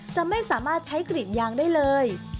จะไม่สามารถใช้กรีดยางได้เลย